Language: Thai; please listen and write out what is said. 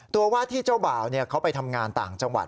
ว่าที่เจ้าบ่าวเขาไปทำงานต่างจังหวัด